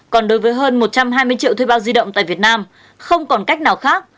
còn đối với hơn một trăm hai mươi triệu thuê bao di động tại việt nam không còn cách nào khác